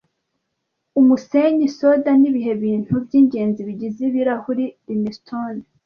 Umusenyi, Soda nibihe bintu byingenzi bigize ibirahuri Limestone